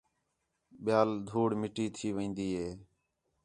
ٻِیال دھوڑ مٹی تھی وین٘دی ہی